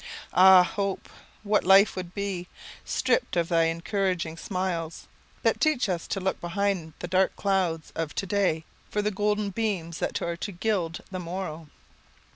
Ah, Hope! what would life be, stripped of thy encouraging smiles, that teach us to look behind the dark clouds of to day for the golden beams that are to gild the morrow.